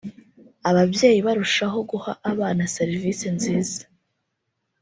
Ababyeyi barushaho guha abana serivisi nziza